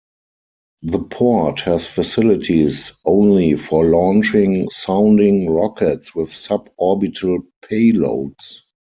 The port has facilities only for launching sounding rockets with sub-orbital payloads.